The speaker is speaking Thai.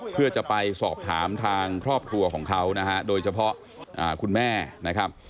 เพื่อจะไปสอบถามทางครอบครัวของเขานะฮะโดยเฉพาะคุณแม่นะครับ